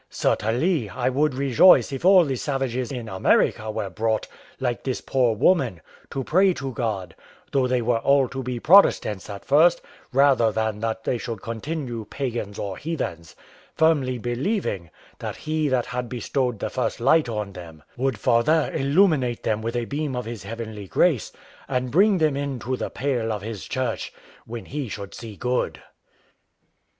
Certainly, I would rejoice if all the savages in America were brought, like this poor woman, to pray to God, though they were all to be Protestants at first, rather than they should continue pagans or heathens; firmly believing, that He that had bestowed the first light on them would farther illuminate them with a beam of His heavenly grace, and bring them into the pale of His Church when He should see good."